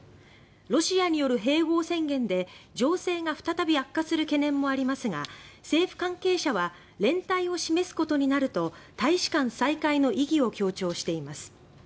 ロシアによる併合宣言で情勢が再び悪化する懸念もありますが政府関係者は「連帯を示すことになる」と大使館再開の意義を強調しています。